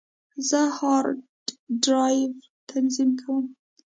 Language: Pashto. زه هارد ډرایو تنظیم کوم.